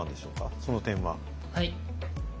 その点は。